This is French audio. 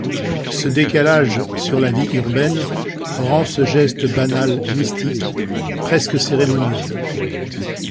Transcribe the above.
Ce décalage sur la vie urbaine rend ce geste banal mystique, presque cérémonieux.